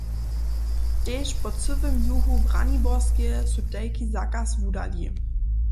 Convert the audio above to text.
Tež po cyłym juhu Braniborskeje su tajki zakaz wudali.